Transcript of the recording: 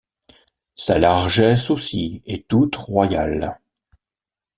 Sa largesse, aussi, est toute royale.